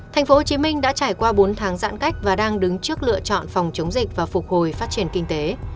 tp hcm đã trải qua bốn tháng giãn cách và đang đứng trước lựa chọn phòng chống dịch và phục hồi phát triển kinh tế